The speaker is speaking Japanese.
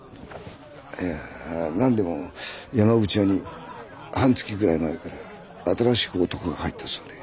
なんでも山口屋に半月ぐらい前から新しく男が入ったそうで。